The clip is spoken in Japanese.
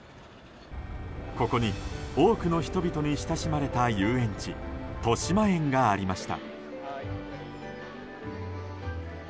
ここに多くの人々に親しまれた遊園地としまえんがありました。